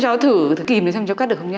cho cháu thử kìm xem cháu cắt được không nhá